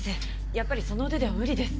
やっぱりその腕では無理です